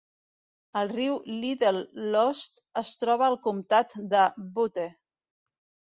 El riu Little Lost es troba al comtat de Butte.